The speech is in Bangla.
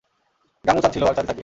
গাঙু চাঁদ ছিলো আর চাঁদই থাকবে।